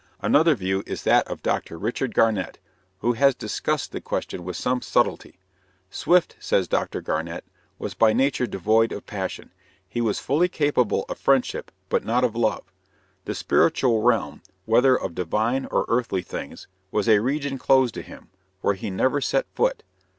Another view is that of Dr. Richard Garnett, who has discussed the question with some subtlety. "Swift," says Dr. Garnett, "was by nature devoid of passion. He was fully capable of friendship, but not of love. The spiritual realm, whether of divine or earthly things, was a region closed to him, where he never set foot."